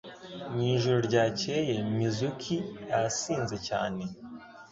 Mu ijoro ryakeye Mizuki yasinze cyane